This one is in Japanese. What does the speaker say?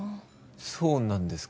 そうなんですか？